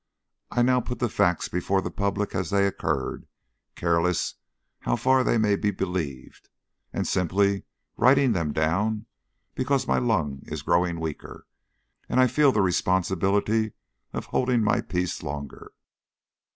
I now put the facts before the public as they occurred, careless how far they may be believed, and simply writing them down because my lung is growing weaker, and I feel the responsibility of holding my peace longer.